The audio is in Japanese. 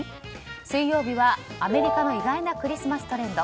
水曜日は、アメリカの意外なクリスマストレンド。